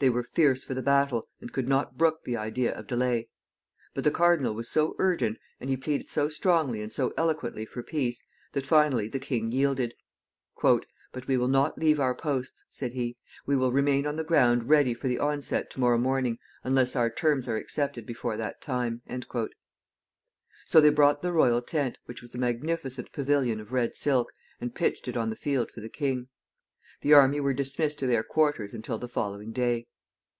They were fierce for the battle, and could not brook the idea of delay. But the cardinal was so urgent, and he pleaded so strongly and so eloquently for peace, that, finally, the king yielded. "But we will not leave our posts," said he. "We will remain on the ground ready for the onset to morrow morning, unless our terms are accepted before that time." So they brought the royal tent, which was a magnificent pavilion of red silk, and pitched it on the field for the king. The army were dismissed to their quarters until the following day.